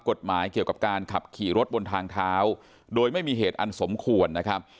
กฎหมายเกี่ยวกับการขับขี่รถบนทางเท้าโดยไม่มีเหตุอันสมควรนะครับ